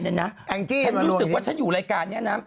เนี้ยนะแอ็งจี้ผมรู้สึกว่าฉันอยู่รายการเนี้ยนะ